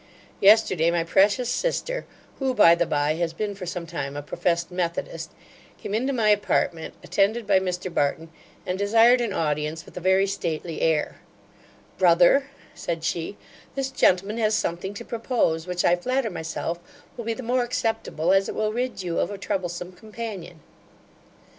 Yesterday my precious sister (who, by the bye, has been for some time a professed methodist) came into my apartment, attended by Mr Barton, and desired an audience with a very stately air 'Brother (said she), this gentleman has something to propose, which I flatter myself will be the more acceptable, as it will rid you of a troublesome companion.